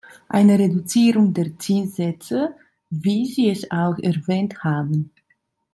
Eine Reduzierung der Zinssätze, wie Sie es auch erwähnt haben?